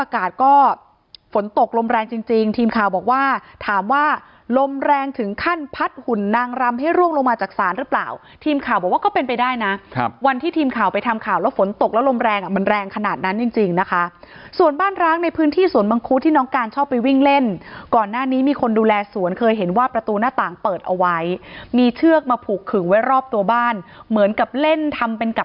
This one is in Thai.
ก็ฝนตกลมแรงจริงทีมข่าวบอกว่าถามว่าลมแรงถึงขั้นพัดหุ่นนางรำให้ร่วงลงมาจากศาลหรือเปล่าทีมข่าวบอกว่าก็เป็นไปได้นะวันที่ทีมข่าวไปทำข่าวแล้วฝนตกแล้วลมแรงมันแรงขนาดนั้นจริงนะคะส่วนบ้านร้างในพื้นที่สวนมังคุดที่น้องการชอบไปวิ่งเล่นก่อนหน้านี้มีคนดูแลสวนเคยเห็นว่าป